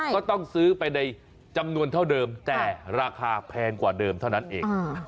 ก็ต้องซื้อไปในจำนวนเท่าเดิมแต่ราคาแพงกว่าเดิมเท่านั้นเอง